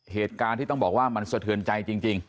เหตุการณ์ที่ต้องบอกว่ามันสะเทือนใจจริง